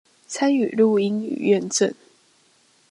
參與錄音與驗證